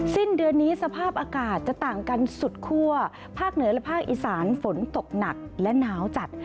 สิ้นเดือนนี้สภาพอากาศจะต่างกันสุดคั่วภาคเหนือและภาคอีสานฝนตกหนักและหนาวจัด